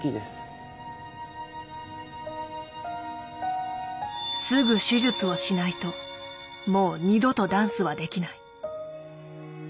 すぐ手術をしないともう二度とダンスはできない。